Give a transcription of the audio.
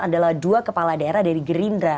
adalah dua kepala daerah dari gerindra